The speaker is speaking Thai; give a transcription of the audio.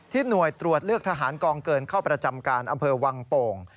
หน่วยตรวจเลือกทหารกองเกินเข้าประจำการอำเภอวังโป่ง